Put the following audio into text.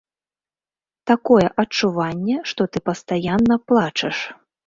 Такое адчуванне, што ты пастаянна плачаш.